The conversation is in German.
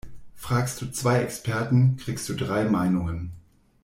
Fragst du zwei Experten, kriegst du drei Meinungen.